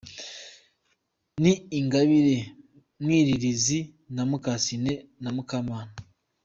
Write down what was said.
ni Ingabire, Mwiriliza, naMukasine na Mukamunana.